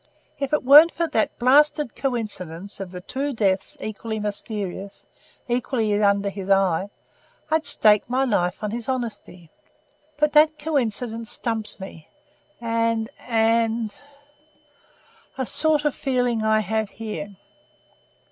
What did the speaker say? If it weren't for that blasted coincidence of the two deaths equally mysterious, equally under his eye, I'd stake my life on his honesty. But that coincidence stumps me and and a sort of feeling I have here."